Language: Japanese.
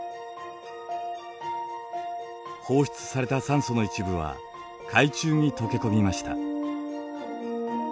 放出された酸素の一部は海中に溶け込みました。